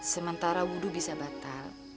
sementara wudhu bisa batal